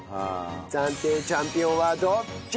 暫定チャンピオンはどっち！？